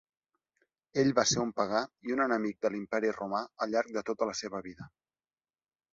Ell va ser un pagà i un enemic de l'Imperi Romà al llarg de tota la seva vida.